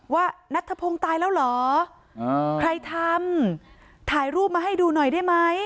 นัทธพงศ์ตายแล้วเหรอใครทำถ่ายรูปมาให้ดูหน่อยได้ไหม